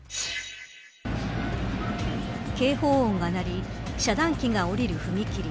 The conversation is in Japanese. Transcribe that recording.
警報音が鳴り遮断機が下りる踏切。